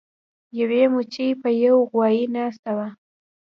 یوې مچۍ په یو غوایي ناسته وه.